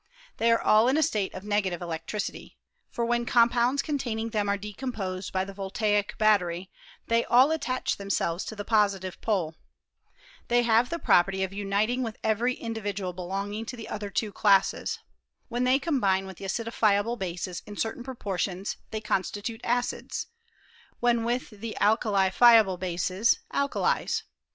They are all in a state of ne gative electricity : for when compounds containing them are decomposed by the voltaic battery they all attach themselves to the positive pole. They have the property of uniting with every individual belong ing to the other two classes. When they combine with the acidifiable bases in certain proportions they constitute acids; when with the alkalifiable bases, alkalies.